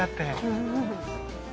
うん。